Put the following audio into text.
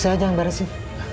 saya aja yang barisin